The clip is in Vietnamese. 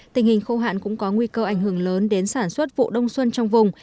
tình hình khâu hạn cũng có nguy cơ ảnh hưởng lớn đến sản xuất vụ đông xuân trong vùng